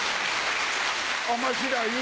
面白い？